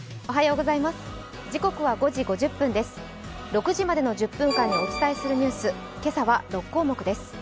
６時までの１０分間にお伝えするニュース、今朝は６項目です。